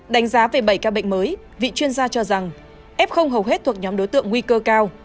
đánh giá về bảy ca bệnh mới vị chuyên gia cho rằng f hầu hết thuộc nhóm đối tượng nguy cơ cao